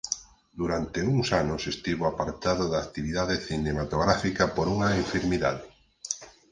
Durante uns anos estivo apartado da actividade cinematográfica por unha enfermidade.